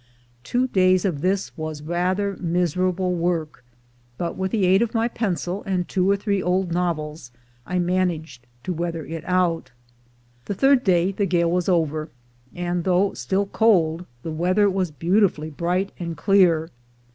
Two days of this was rather miserable work, but with the aid of my pencil and two or three old novels I managed to weather it out. The third day the gale was over, and though still cold, the weather was beautifully bright and clear.